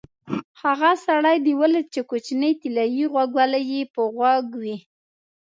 هغه سړی دې ولید چې کوچنۍ طلایي غوږوالۍ یې په غوږ وې؟